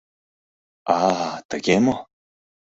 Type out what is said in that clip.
— А-а, тыге мо?